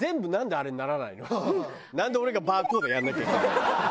なんで俺がバーコードやらなきゃいけないの？